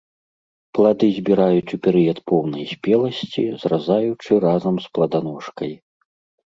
Плады збіраюць у перыяд поўнай спеласці, зразаючы разам з пладаножкай.